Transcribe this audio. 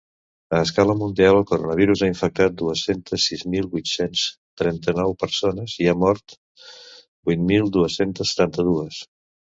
A escala mundial, el coronavirus ha infectat dues-centes sis mil vuit-cents trenta-nou persones i n’ha mort vuit mil dues-centes setanta-dues.